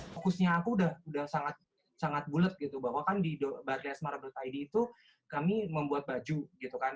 fokusnya aku udah sangat bulet gitu bahwa kan di badriasmara id itu kami membuat baju gitu kan